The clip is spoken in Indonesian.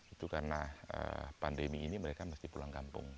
itu karena pandemi ini mereka mesti pulang kampung